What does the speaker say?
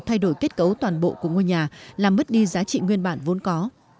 thay đổi kết cấu toàn bộ của ngôi nhà làm mất đi giá trị nguyên bản vốn có